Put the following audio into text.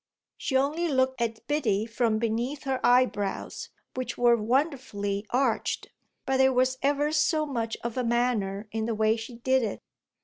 She only looked at Biddy from beneath her eyebrows, which were wonderfully arched, but there was ever so much of a manner in the way she did it.